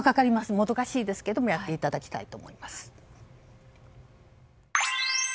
もどかしいけどもやっていただきたいと思います。